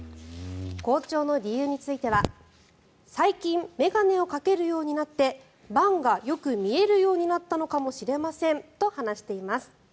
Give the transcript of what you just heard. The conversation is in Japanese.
好調の理由については最近、眼鏡をかけるようになって盤がよく見えるようになったのかもしれませんと話しています。